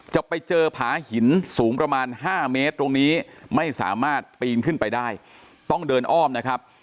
จะไปเจอผาหินสูงประมาณ๕เมตรตรงนี้ไม่สามารถปีนขึ้นไปได้ต้องเดินอ้อมนะครับ